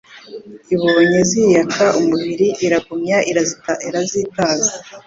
Ibonye ziyaka umubiri, Iragumya irazitaza,